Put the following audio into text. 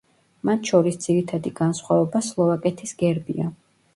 მათ შორის ძირითადი განსხვავება სლოვაკეთის გერბია.